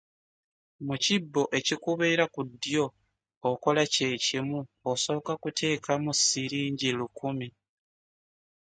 Mu kibbo ekikubeera ku ddyo okola kye kimu, osooka kuteekamu siringi lukumi.